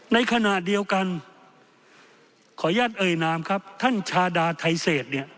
ในขณะเดียวกันขออนุญาตท่านชาดาไทยเศส